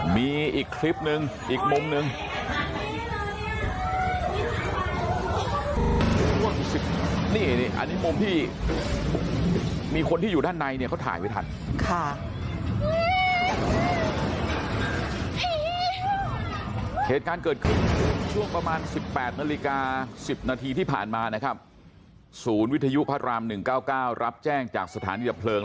มีอีกคลิปนึงอีกมุมนึง